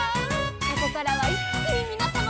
「ここからはいっきにみなさまを」